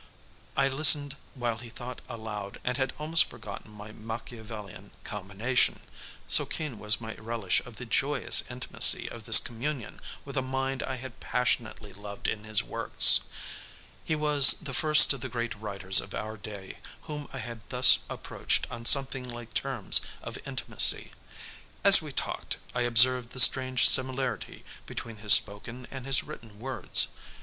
I listened while he thought aloud and had almost forgotten my Machiavellian combination, so keen was my relish of the joyous intimacy of this communion with a mind I had passionately loved in his works. He was the first of the great writers of our day whom I had thus approached on something like terms of intimacy. As we talked I observed the strange similarity between his spoken and his written words.